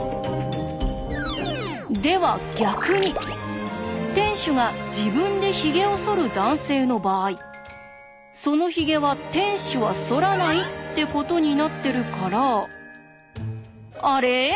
では逆に店主が自分でヒゲをそる男性の場合そのヒゲは店主はそらないってことになってるからあれ？